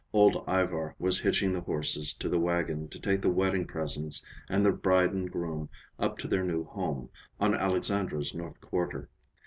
Old Ivar was hitching the horses to the wagon to take the wedding presents and the bride and groom up to their new home, on Alexandra's north quarter.